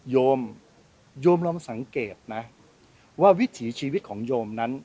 โยมโยมลองสังเกตนะว่าวิถีชีวิตของโยมนั้น